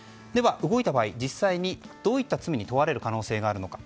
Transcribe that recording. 動いた場合実際にどういった罪に問われる可能性があるのか。